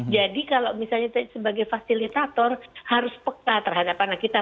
jadi kalau misalnya sebagai fasilitator harus peka terhadap anak kita